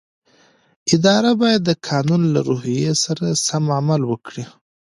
اداره باید د قانون له روحیې سره سم عمل وکړي.